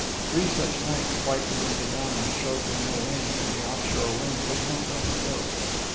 Three such nights whitened into dawn and showed me no land, and the off shore wind would not let me go.